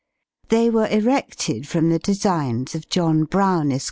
They were erected from the designs of John Brown, Esq.